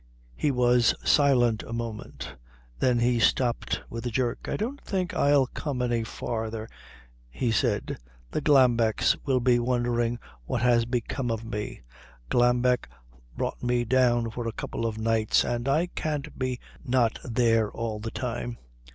He was silent a moment. Then he stopped with a jerk. "I don't think I'll come any farther," he said. "The Glambecks will be wondering what has become of me. Glambeck brought me down for a couple of nights, and I can't be not there all the time."